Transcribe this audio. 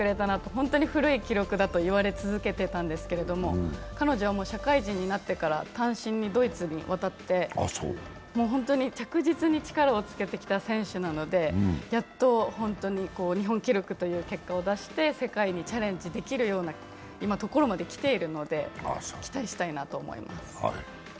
本当に古い記録だと言われ続けてたんですけれど彼女はもう社会人になってから単身ドイツに渡ってもう本当に着実に力をつけてきた選手なのでやっとホントに日本記録という結果を出して世界にチャレンジできるようなところまで来ているので期待したいなと思います。